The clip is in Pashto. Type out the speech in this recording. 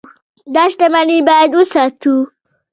دا شتمني باید وساتو.